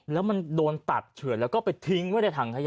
แล้วมันโดนตัดเฉื่อนแล้วก็ไปทิ้งไว้ในถังขยะ